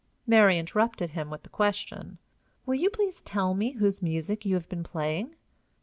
Mary interrupted him with the question: "Will you please tell me whose music you have been playing?"